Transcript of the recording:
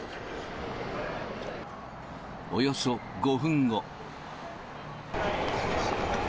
およそ５分後。